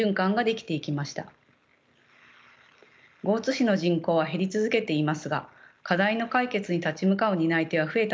江津市の人口は減り続けていますが課題の解決に立ち向かう担い手は増えたのです。